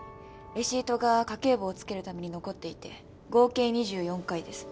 レシートが家計簿をつけるために残っていて合計２４回です